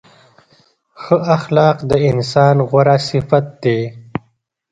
ښه اخلاق د انسان غوره صفت دی.